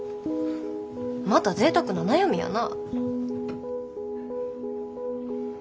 またぜいたくな悩みやな。